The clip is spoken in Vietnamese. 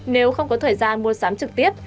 nếu không có thời gian mua sắm trực tiếp